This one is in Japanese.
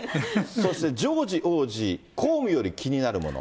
そして、ジョージ王子、公務より気になるもの。